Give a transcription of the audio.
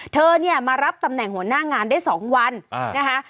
เธอเนี่ยมารับตำแหน่งหัวหน้างานได้๒วันนะคะ